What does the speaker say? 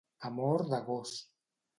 Amor de gos.